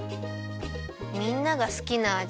みんながすきなあじ。